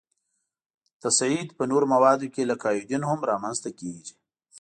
تصعید په نورو موادو کې لکه ایودین هم را منځ ته کیږي.